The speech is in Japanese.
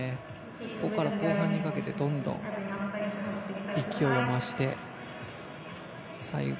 ここから後半にかけてどんどん勢いを増して。